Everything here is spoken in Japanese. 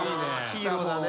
ヒーローだね。